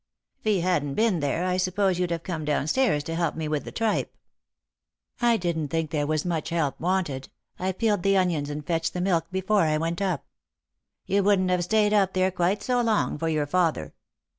" If he hadn't been there, I suppose you'd have come down stairs to help me with the tripe." " I didn't think there was much help wanted. I peeled the onions and fetched the milk before I went up." " You wouldn't have stayed up there quite so long for your father."